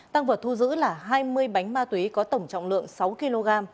tăng vật thu giữ là hai mươi bánh ma túy có tổng trọng lượng sáu kg